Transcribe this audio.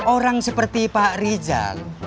orang seperti pak rizal